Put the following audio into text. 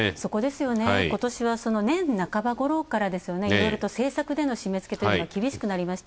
今年は半ばごろからいろいろ政策での締め付けというのが厳しくなりました。